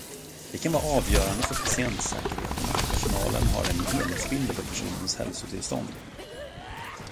Det kan vara avgörande för patientsäkerheten att personalen har en helhetsbild över personens hälsotillstånd.